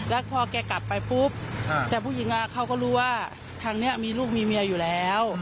แล้วพอแกกลับไปปุ๊บแต่ผู้หญิงเขาก็รู้ว่าทางนี้มีลูกมีเมียอยู่แล้ว